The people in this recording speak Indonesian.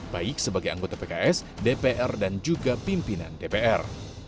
baik sebagai anggota pks dpr dan juga pimpinan dpr